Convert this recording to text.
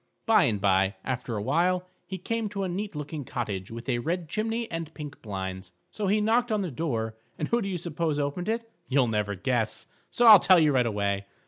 By and by, after a while, he came to a neat looking cottage with a red chimney and pink blinds. So he knocked on the door, and who do you suppose opened it? You'll never guess, so I'll tell you right away.